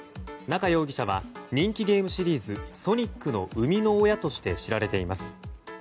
中容疑者は人気ゲームシリーズ「ソニック」の生みの親として知られています。